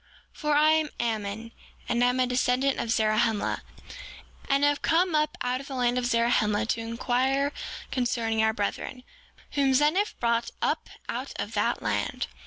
For I am Ammon, and am a descendant of Zarahemla, and have come up out of the land of Zarahemla to inquire concerning our brethren, whom Zeniff brought up out of that land.